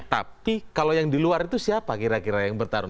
tapi kalau yang di luar itu siapa kira kira yang bertarung